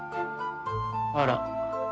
あら。